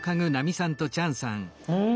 うん。